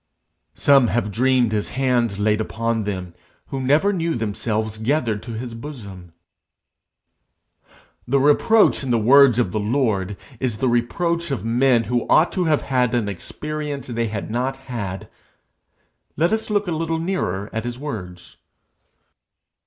Some have dreamed his hand laid upon them, who never knew themselves gathered to his bosom. The reproach in the words of the Lord is the reproach of men who ought to have had an experience they had not had. Let us look a little nearer at his words.